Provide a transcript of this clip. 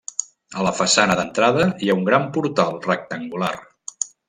A la façana d'entrada hi ha un gran portal rectangular.